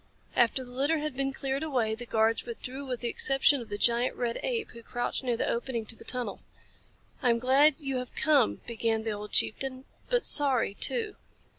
After the litter had been cleared away the guards withdrew with the exception of the giant red ape, who crouched near the opening to the tunnel. "I am glad you have come," began the old chieftain, "but sorry, too.